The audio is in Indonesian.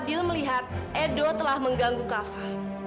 fadil melihat edo telah mengganggu kafa